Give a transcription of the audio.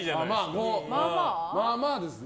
まあまあですね。